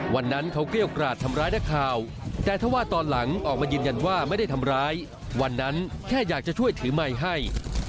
วันนั้นเขาเกรี้ยวกราดทำร้ายนักข่าวแต่ถ้าว่าตอนหลังออกมายืนยันว่าไม่ได้ทำร้ายวันนั้นแค่อยากจะช่วยถือไมค์ให้